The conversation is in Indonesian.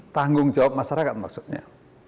tanggung jawab masyarakat maksudnya